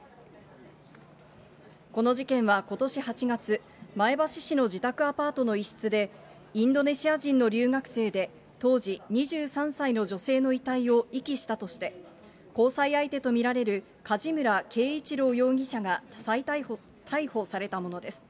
この事件はことし８月、前橋市の自宅アパートの一室で、インドネシア人の留学生で当時２３歳の女性の遺体を遺棄したとして、交際相手と見られる梶村圭一郎容疑者が逮捕されたものです。